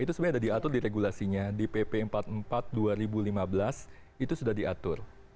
jadi ini sebenarnya sudah diatur di regulasinya di pp empat puluh empat dua ribu lima belas itu sudah diatur